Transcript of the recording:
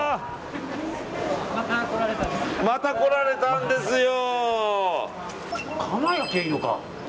また来られたんですよ！